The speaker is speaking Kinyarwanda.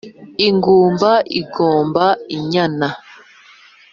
Ingumba igomba inyana